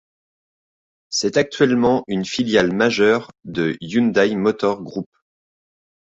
C'est actuellement une filiale majeure de Hyundai Motor Group.